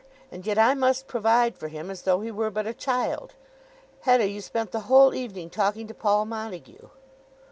And yet I must provide for him as though he were but a child. Hetta, you spent the whole evening talking to Paul Montague."